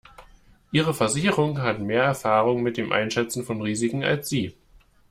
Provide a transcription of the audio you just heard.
Ihre Versicherung hat mehr Erfahrung mit dem Einschätzen von Risiken als Sie.